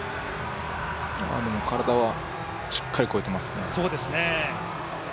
でも体はしっかり越えてますね。